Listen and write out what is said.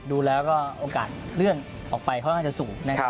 ดูแล้วก็โอกาสเลื่อนออกไปค่อนข้างจะสูงนะครับ